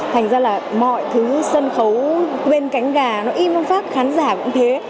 thành ra là mọi thứ sân khấu bên cánh gà nó im trong pháp khán giả cũng thế